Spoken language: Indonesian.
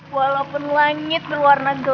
walaupun langit berwarna gelap